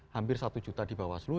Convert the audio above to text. hampir satu juta di bawah seluruh